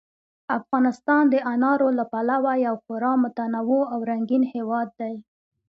افغانستان د انارو له پلوه یو خورا متنوع او رنګین هېواد دی.